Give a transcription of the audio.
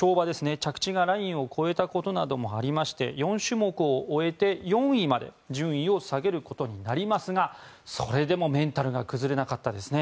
着地がラインを越えたことなどもありまして４種目を終えて４位まで順位を下げることになりますがそれでもメンタルが崩れなかったですね。